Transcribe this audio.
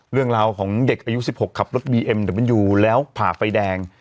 เรื่องราวของเด็กอายุ๑๖ขับรถบีเอ็มเดี๋ยวมันอยู่แล้วผ่าไฟแดง